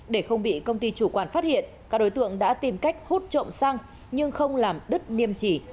để không bị công ty chủ quản phát hiện các đối tượng đã tìm cách hút trộm xăng nhưng không làm đứt niêm chỉ